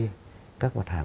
rồi thì các mặt hàng